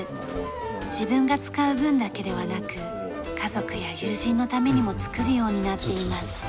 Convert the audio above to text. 自分が使う分だけではなく家族や友人のためにも作るようになっています。